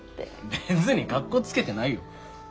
別にかっこつけてないよ。